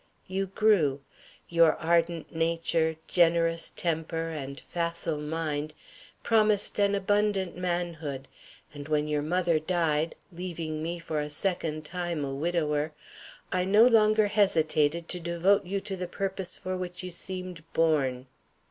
"You grew; your ardent nature, generous temper, and facile mind promised an abundant manhood, and when your mother died, leaving me for a second time a widower, I no longer hesitated to devote you to the purpose for which you seemed born.